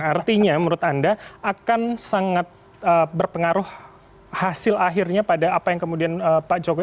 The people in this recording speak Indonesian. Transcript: artinya menurut anda akan sangat berpengaruh hasil akhirnya pada apa yang kemudian pak jokowi